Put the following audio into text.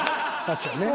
確かにね。